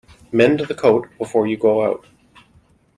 Mend the coat before you go out.